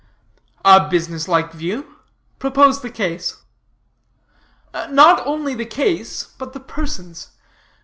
"A business like view. Propose the case." "Not only the case, but the persons.